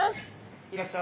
いらっしゃい。